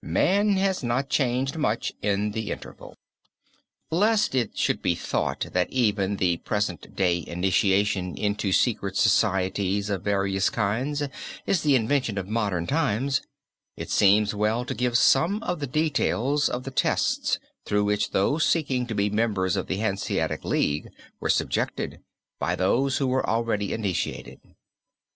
Man has not changed much in the interval. Lest it should be thought that even the present day initiation into secret societies of various kinds is the invention of modern times, it seems well to give some of the details of the tests through which those seeking to be members of the Hanseatic League were subjected, by those who were already initiated.